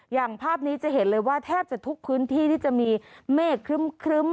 อย่างภาพนี้จะเห็นเลยว่าแทบจะทุกพื้นที่ที่จะมีเมฆครึ้ม